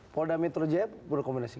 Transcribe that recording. polda metro jaya berrekomendasi